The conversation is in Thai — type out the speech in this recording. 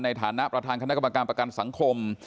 ในฐานะประธานคณะกรรมการประกันสังคม